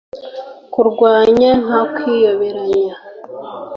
kurwanya! nta kwiyoberanya,